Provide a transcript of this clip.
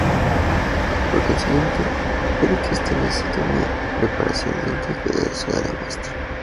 Por consiguiente, puede que se necesite una preparación lenta y cuidadosa de la muestra.